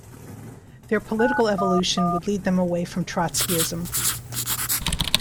Their political evolution would lead them away from Trotskyism.